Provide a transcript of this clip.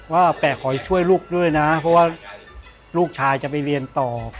แปะขอให้ช่วยลูกด้วยนะเพราะว่าลูกชายจะไปเรียนต่อ